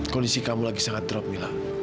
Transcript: kondisi kamu lagi sangat drop mila